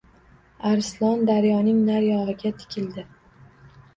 Arslon daryoning nariyog‘iga tikildi.